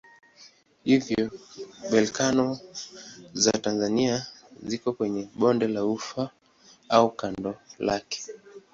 Hivyo volkeno za Tanzania ziko kwenye bonde la Ufa au kando lake.